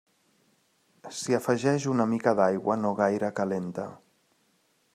S'hi afegeix una mica d'aigua no gaire calenta.